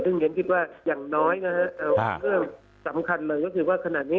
ซึ่งเรียนคิดว่าอย่างน้อยนะฮะเอาเรื่องสำคัญเลยก็คือว่าขนาดนี้